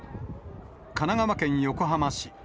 神奈川県横浜市。